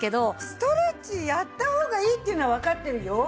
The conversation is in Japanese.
ストレッチやった方がいいっていうのはわかってるよ。